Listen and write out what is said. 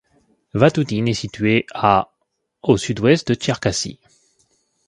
Vatoutine est située à au sud-ouest de Tcherkassy.